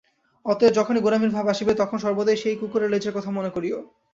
অতএব যখনই গোঁড়ামির ভাব আসিবে, তখন সর্বদাই সেই কুকুরের লেজের কথা মনে করিও।